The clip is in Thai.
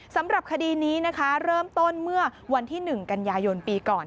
สำหรับคดีนี้นะคะเริ่มต้นเมื่อวันที่๑กันยายนปีก่อน